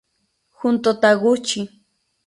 Junto Taguchi